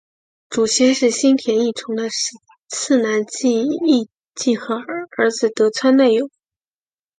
祖先是新田义重的四男义季和儿子得川赖有。